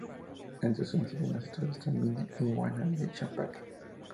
Entre sus sencillos más exitosos está "Mine", "I Wanna" y "Champagne".